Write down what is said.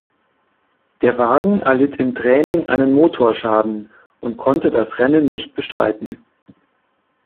Der Wagen erlitt im Training einen Motorschaden und konnte das Rennen nicht bestreiten.